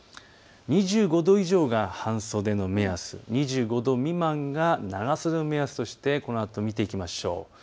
２５度以上が半袖の目安、２５度未満が長袖の目安としてこのあと見ていきましょう。